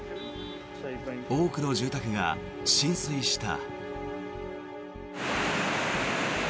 多くの住宅が浸水した。